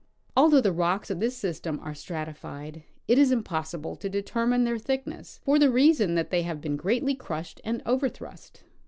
Although the rocks of this system are stratified, it is impossi ble to determine their thickness, for the reason that they have been greatly crushed and overthrust.